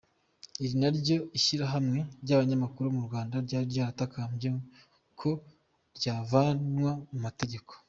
Iri naryo ishyirahamwe ry'abanyamakuru mu Rwanda ryari ryaratakambye ko ryavanwa mu mategeko.